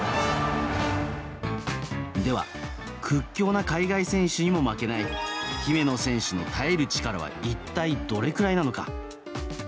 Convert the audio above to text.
では屈強な海外選手にも負けない姫野選手の耐える力は一体どれくらいなのか。